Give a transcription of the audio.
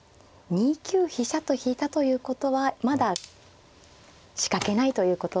２九飛車と引いたということはまだ仕掛けないということなんですね。